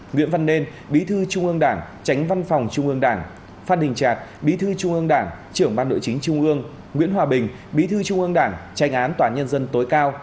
nguyễn văn nên bí thư trung ương đảng tránh văn phòng trung ương đảng phan hình trạt bí thư trung ương đảng trưởng ban nội chính trung ương nguyễn hòa bình bí thư trung ương đảng tránh án tòa nhân dân tối cao